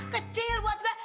kecil buat gue